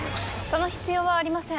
その必要はありません